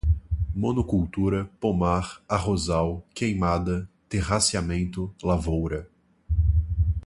monocultura, pomar, arrozal, queimada, terraceamento, lavoura